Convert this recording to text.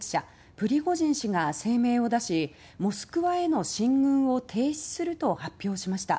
プリゴジン氏が声明を出しモスクワへの進軍を停止すると発表しました。